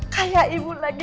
kayak ibu lagi